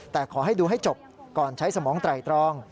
แต่ขอให้ดูให้จบก่อนใช้สมองไตรตรอง